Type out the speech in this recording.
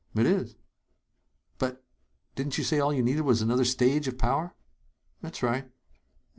"It is." "But Didn't you say all you needed was another stage of power?" "That's right."